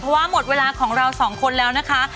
เพราะว่าหมดเวลาของเราสองคนแล้วนะคะ